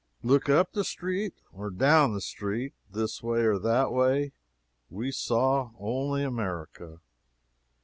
Look up the street or down the street, this way or that way, we saw only America!